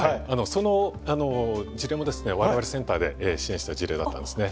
その事例もですね我々センターで支援した事例だったんですね。